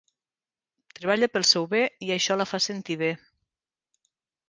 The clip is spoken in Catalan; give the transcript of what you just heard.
Treballa pel seu bé i això la fa sentir bé.